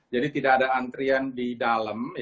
jadi tidak ada antrian di dalam